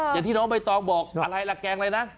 อย่างที่น้องใบตองบอกอะไรล่ะแกงอะไรนะ